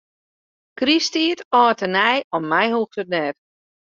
Krysttiid, âld en nij, om my hoecht it net.